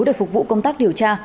để phục vụ công tác điều tra